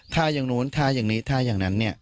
ถ้าอย่างนู้นท่าอย่างนี้ท่าอย่างนั้นเนี่ย